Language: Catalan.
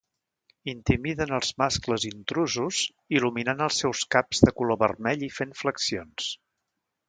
Intimiden als mascles intrusos il·luminant els seus caps de color vermell i fent "flexions".